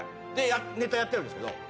でネタやってるんですけど。